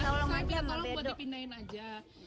saya berharap tolong buat dipindahin aja